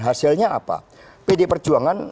hasilnya apa pd perjuangan